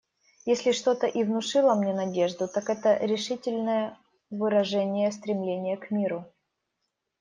Если что-то и внушило мне надежду, так это решительное выражение стремления к миру.